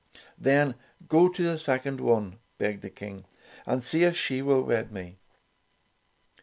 ''Then go to the second one,'' begged the King, "and see if she will wed me."